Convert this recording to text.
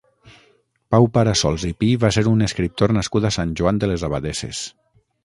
Pau Parassols i Pi va ser un escriptor nascut a Sant Joan de les Abadesses.